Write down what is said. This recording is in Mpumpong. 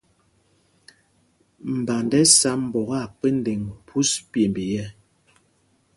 Mband ɛ́ sá mbok akpendeŋ phūs pyêmb yɛ̄.